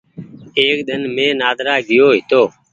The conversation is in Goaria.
ايڪ ۮن مين نآدرا گئيو هيتو۔